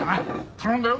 頼んだよ！